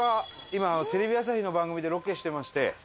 今テレビ朝日の番組でロケしてまして。